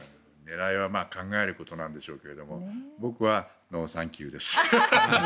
狙いは考えることなんでしょうけど僕はノーサンキューです。